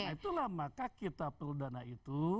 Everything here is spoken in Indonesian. nah itulah maka kita perlu dana itu